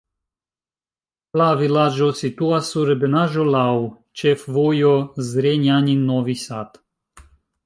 La vilaĝo situas sur ebenaĵo, laŭ ĉefvojo Zrenjanin-Novi Sad.